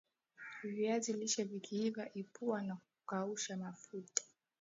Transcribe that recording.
viazi lishe Vikiiva ipua na kukausha mafuta